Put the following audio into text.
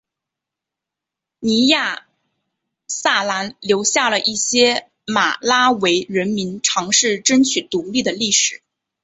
尼亚萨兰留下了一些马拉维人民尝试争取独立的历史。